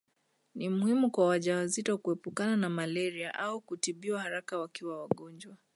Ni muhimu kwa wajawazito kuepukana na malaria au kutibiwa haraka wakiwa wagonjwa